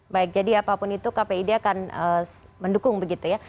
baik jadi apapun itu kpid akan mendukung begitu ya